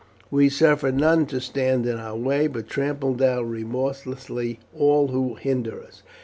We suffer none to stand in our way, but trample down remorselessly all who hinder us.